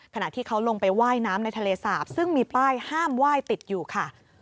ขณะที่เขาลงไปว่ายน้ำในทะเลสาบซึ่งมีป้ายห้ามไหว้ติดอยู่ค่ะ